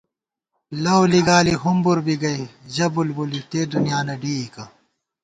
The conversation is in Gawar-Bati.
لؤ لِگالی ہُومبر بی گئ، ژہ بُلبُلی تےدُنیانہ ڈېئیکہ